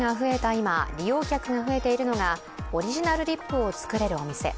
今利用客が増えているのがオリジナルリップを作れるお店。